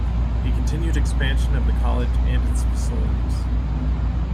He continued expansion of the college and its facilities.